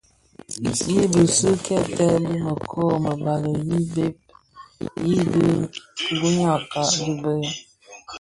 I bisi kèbtè bi mëkoo më bali yi bheg yidhi guňakka di bë.